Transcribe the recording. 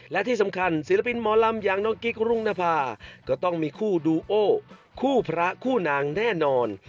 และที่สำคัญศิลปินหมอลำอย่างน้องกิ๊กรุ่งนภาก็ต้องมีคู่ดูโอคู่พระคู่นางแน่นอน